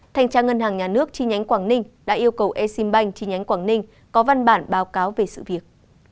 thanh tra ngân hàng nhà nước chi nhánh quảng ninh đã yêu cầu exim bank chi nhánh quảng ninh có văn bản báo cáo về sự việc